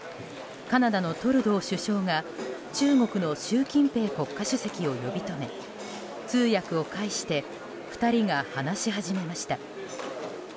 カナダのトルドー首相が中国の習近平国家主席を呼び止め通訳を介して２人が話し始めました。